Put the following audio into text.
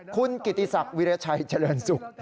คุณกิติศักดิ์วิราชัยเจริญสุข